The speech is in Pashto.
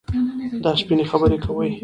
دا سپيني خبري کوي.